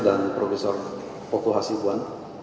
dan prof fokul hasibwan